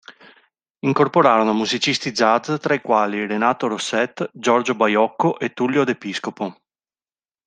Incorporarono musicisti jazz tra i quali Renato Rosset, Giorgio Baiocco e Tullio De Piscopo.